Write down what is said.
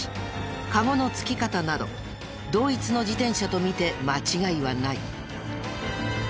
カゴの付き方など同一の自転車とみて間違いはない。